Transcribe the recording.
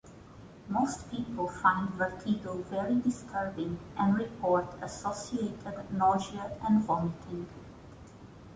Most people find vertigo very disturbing and report associated nausea and vomiting.